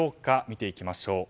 見ていきましょう。